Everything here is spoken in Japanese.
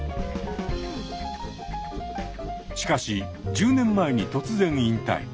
しかし１０年前に突然引退。